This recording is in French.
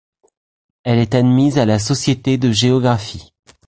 Elle est admise à la Société de géographie.